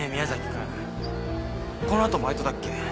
君この後バイトだっけ？